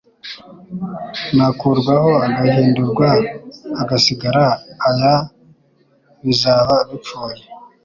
nakurwaho agahindurwa hagasigara aya bizaba bipfuye